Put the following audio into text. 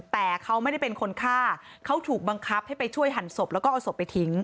แต่เขาไม่ได้เป็นคนฆ่าเขาถูกบังคับให้ไปช่วยหันศพแล้วก็เอาศพไปทิ้ง